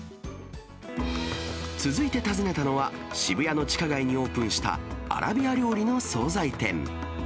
続いて訪ねたのは、渋谷の地下街にオープンしたアラビア料理の総菜店。